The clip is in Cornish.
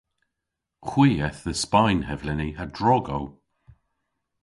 Hwi eth dhe Spayn hevleni ha drog o.